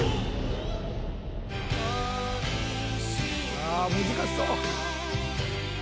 ああ難しそう。